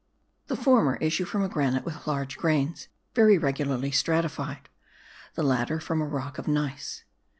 The former issue from a granite with large grains, very regularly stratified; the latter from a rock of gneiss.